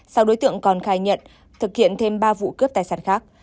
sau đối tượng còn khai nhận thực hiện thêm ba vụ cướp tài sản khác